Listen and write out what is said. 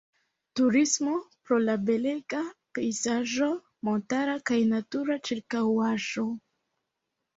Turismo pro la belega pejzaĝo montara kaj natura ĉirkaŭaĵo.